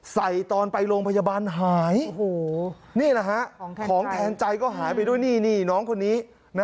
ใส่ตอนไปโรงพยาบาลหายของแทนใจก็หายไปด้วยนี่น้องคนนี้